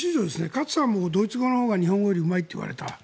勝さんもドイツ語のほうが日本語よりうまいといわれた。